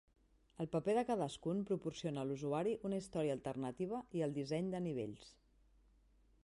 El paper de cadascun proporciona a l'usuari una història alternativa i el disseny de nivells.